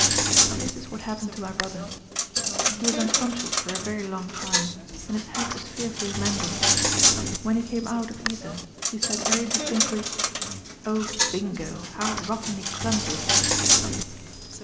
"This is what happened to my brother. He was unconscious for a very long time and his head was fearfully mangled. When he came out of ether he said very distinctly. 'Oh Bingo, how rottenly clumsy of you.'"